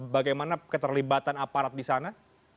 bagaimana keterlibatan aparat di sana